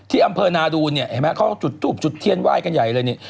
ที่อำเภอนาดูนเนี่ยเขาจุดจุบจุดเทียนไหว้กันใหญ่เลยเนี่ย